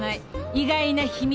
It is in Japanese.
意外な秘密？